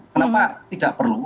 kenapa tidak perlu